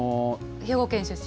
兵庫県出身。